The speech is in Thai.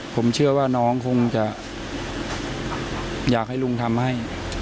ผมเชื่อว่าน้องคงจะอยากให้ลุงทำให้